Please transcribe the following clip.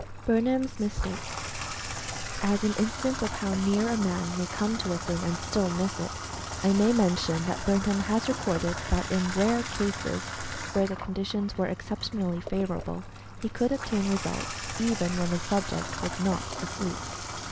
bernheim's mistake. As an instance of how near a man may come to a thing, and still miss it, I may mention that Bernheim has recorded that in rare cases, where the conditions were exceptionally favorable, he could obtain results even when the subject was not asleep.